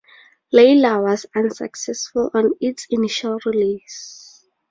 "Layla" was unsuccessful on its initial release.